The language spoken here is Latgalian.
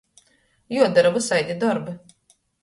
Juodora vysaidi dorbi.